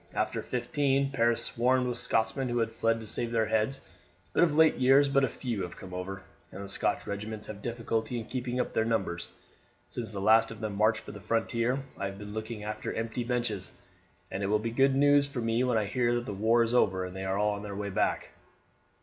After '15 Paris swarmed with Scotsmen who had fled to save their heads; but of late years but few have come over, and the Scotch regiments have difficulty in keeping up their numbers. Since the last of them marched for the frontier I have been looking after empty benches, and it will be good news for me when I hear that the war is over and they are on their way back."